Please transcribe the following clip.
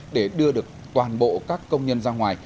để đưa được toàn bộ các công nhân ra ngoài